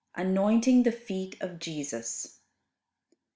] ANOINTING THE FEET OF JESUS.